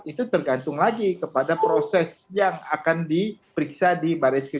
itu tergantung lagi kepada proses yang akan diperiksa di baris krim